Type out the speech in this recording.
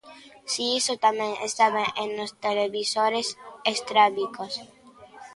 Si, iso tamén estaba en 'Os televisores estrábicos'.